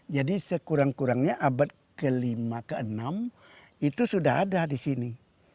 jadi sekurang kurangnya abad ke lima ke enam itu sudah ada di sini